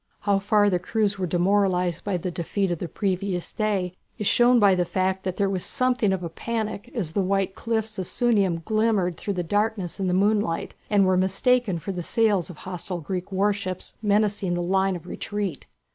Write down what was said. How far the crews were demoralized by the defeat of the previous day is shown by the fact that there was something of a panic as the white cliffs of Sunium glimmered through the darkness in the moonlight and were mistaken for the sails of hostile Greek warships menacing the line of retreat.